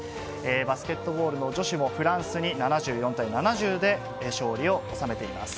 バスケットボールの女子も、フランスに７４対７０で、勝利を収めています。